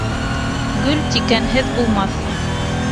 Гөл тикәнһеҙ булмаҫ.